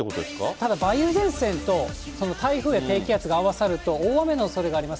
ただ、梅雨前線とその台風や低気圧が合わさると、大雨のおそれがあります。